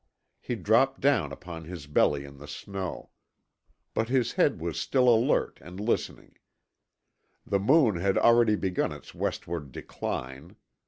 He dropped down upon his belly in the snow. But his head was still alert and listening. The moon had already begun its westward decline.